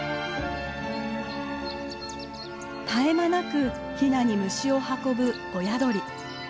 絶え間なくヒナに虫を運ぶ親鳥。